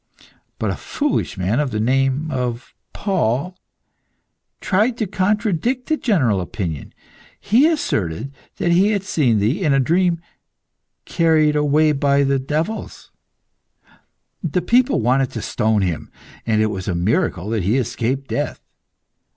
But a foolish man, of the name of Paul, tried to contradict the general opinion. He asserted that he had seen thee, in a dream, carried away by the devils; the people wanted to stone him, and it was a miracle that he escaped death.